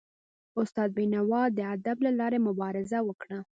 استاد بینوا د ادب له لاري مبارزه وکړه.